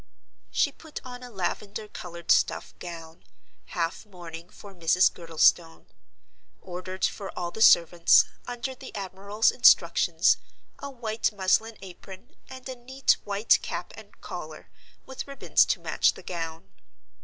She put on a lavender colored stuff gown—half mourning for Mrs. Girdlestone; ordered for all the servants, under the admiral's instructions—a white muslin apron, and a neat white cap and collar, with ribbons to match the gown.